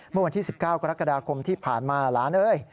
เมื่อวันที่๑๙กรกฎาคมที่ผ่านมาหลานเอ้ย